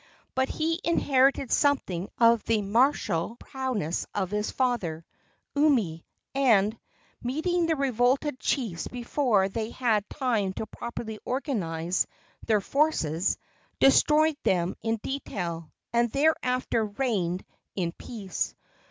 But he inherited something of the martial prowess of his father, Umi, and, meeting the revolted chiefs before they had time to properly organize their forces, destroyed them in detail, and thereafter reigned in peace.